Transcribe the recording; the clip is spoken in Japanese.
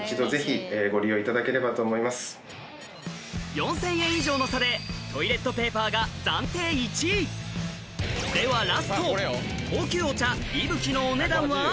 ４０００円以上の差でトイレットペーパーが暫定１位ではラスト高級お茶息吹のお値段は？